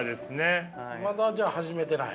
まだじゃあ始めてない？